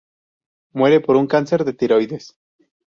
Muere por un cáncer de tiroides.